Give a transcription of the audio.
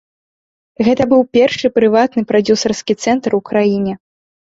Гэты быў першы прыватны прадзюсарскі цэнтр у краіне.